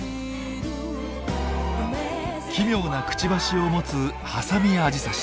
奇妙なクチバシを持つハサミアジサシ。